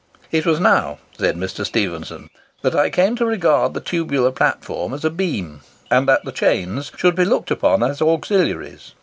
"It was now," says Mr. Stephenson, "that I came to regard the tubular platform as a beam, and that the chains should be looked upon as auxiliaries."